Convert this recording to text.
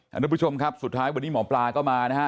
ทุกผู้ชมครับสุดท้ายวันนี้หมอปลาก็มานะฮะ